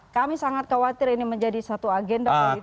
kami sangat khawatir ini menjadi satu agenda politik